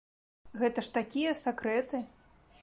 Гэта ж такія сакрэты!